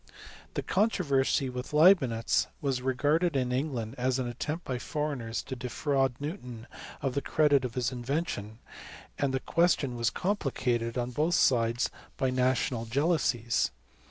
The controversy with Leibnitz was regarded in England as an attempt by foreigners to defraud Newton of the credit of his invention, and the question was complicated on both sides 368 LEIBNITZ. by national jealousies.